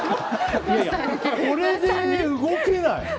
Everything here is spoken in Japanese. これで動けない。